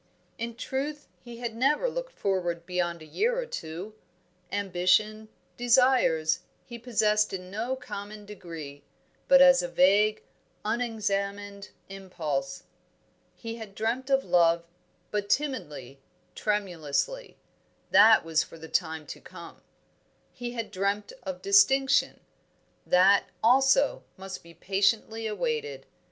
In truth, he had never looked forward beyond a year or two. Ambition, desires, he possessed in no common degree, but as a vague, unexamined impulse. He had dreamt of love, but timidly, tremulously; that was for the time to come. He had dreamt of distinction; that, also, must be patiently awaited.